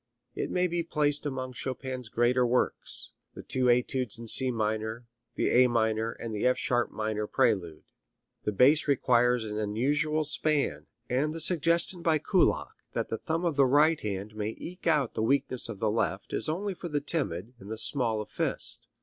It may be placed among Chopin's greater works: the two Etudes in C minor, the A minor, and the F sharp minor Prelude. The bass requires an unusual span, and the suggestion by Kullak, that the thumb of the right hand may eke out the weakness of the left is only for the timid and the small of fist.